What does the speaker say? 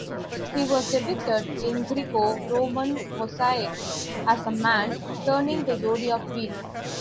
He was depicted in Greco-Roman mosaics as a man turning the Zodiac Wheel.